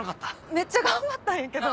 めっちゃ頑張ったんやけど。